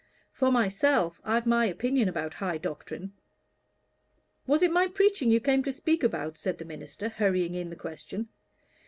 For myself, I've my opinion about high doctrine." "Was it my preaching you came to speak about?" said the minister, hurrying in the question.